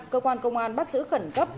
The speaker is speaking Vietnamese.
cơ quan công an bắt giữ khẩn cấp